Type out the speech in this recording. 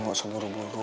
gak usah buru buru